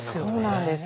そうなんです。